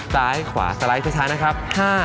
ซ้ายขวาสไลด์สุดท้ายนะครับ